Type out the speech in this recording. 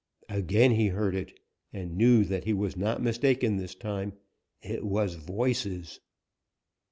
Again he heard it, and knew that he was not mistaken this time; it was voices.